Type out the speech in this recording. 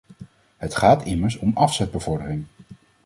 Het gaat immers om afzetbevordering.